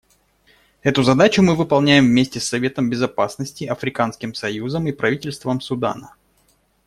Эту задачу мы выполняем вместе с Советом Безопасности, Африканским союзом и правительством Судана.